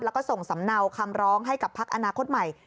แล้วก็ส่งสำเนาคำร้องให้กับพักอนาคตใหม่